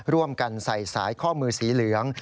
ร่วมกันใส่สายข้อมือสีเหลือง